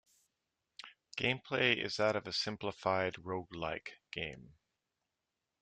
Gameplay is that of a simplified roguelike game.